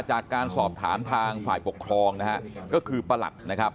จากการสอบถามทางฝ่ายปกครองนะฮะก็คือประหลัดนะครับ